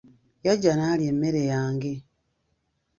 Yajja n'alya emmere yange.